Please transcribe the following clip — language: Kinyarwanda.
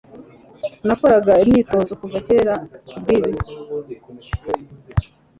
Nakoraga imyitozo kuva kera kubwibi.